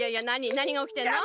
なにがおきてるの？